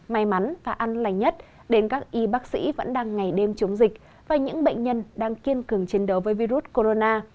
may mắn và an lành nhất đến các y bác sĩ vẫn đang ngày đêm chống dịch và những bệnh nhân đang kiên cường chiến đấu với virus corona